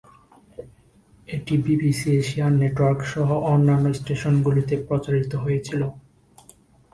এটি BBC Asian network সহ অন্যান্য স্টেশনগুলিতে প্রচারিত হয়েছিল।